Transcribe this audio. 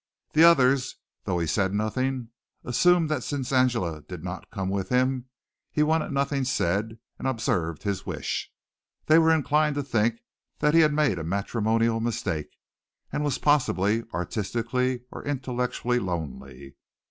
The others, though he said nothing, assumed that since Angela did not come with him he wanted nothing said and observed his wish. They were inclined to think that he had made a matrimonial mistake and was possibly artistically or intellectually lonely.